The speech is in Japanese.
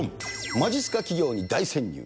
まじっすか企業に大潜入！